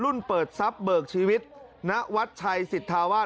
เปิดทรัพย์เบิกชีวิตณวัดชัยสิทธาวาส